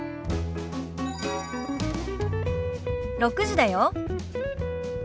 ６時だよ。